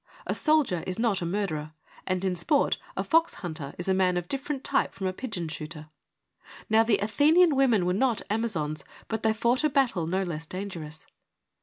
A soldier is not a murderer, and in sport a fox hunter is a man of different type from a pigeon shooter. Now the Athenian women were not Amazons, but they fought a battle no less dangerous.